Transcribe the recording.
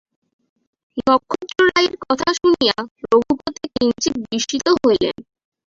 নক্ষত্ররায়ের কথা শুনিয়া রঘুপতি কিঞ্চিৎ বিস্মিত হইলেন।